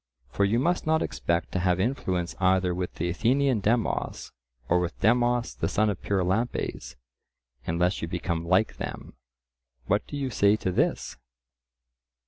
For you must not expect to have influence either with the Athenian Demos or with Demos the son of Pyrilampes, unless you become like them. What do you say to this?